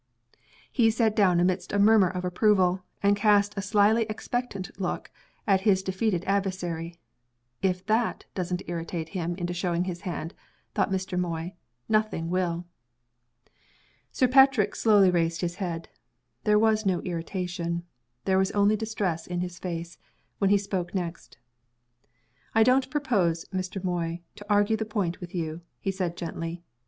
He sat down amidst a murmur of approval, and cast a slyly expectant look at his defeated adversary. "If that doesn't irritate him into showing his hand," thought Mr. Moy, "nothing will!" Sir Patrick slowly raised his head. There was no irritation there was only distress in his face when he spoke next. "I don't propose, Mr. Moy, to argue the point with you," he said, gently.